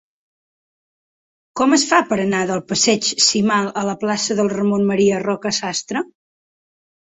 Com es fa per anar del passeig del Cimal a la plaça de Ramon M. Roca Sastre?